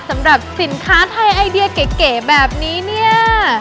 สำหรับสินค้าไทยไอเดียเก๋แบบนี้เนี่ย